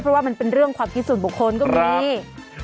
เพราะว่ามันเป็นเรื่องความคิดส่วนบุคคลก็มี